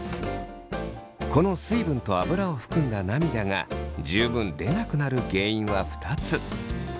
この水分とアブラを含んだ涙が十分出なくなる原因は２つ。